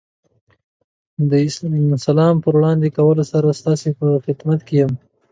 د سلام په وړاندې کولو سره ستاسې په خدمت کې یم.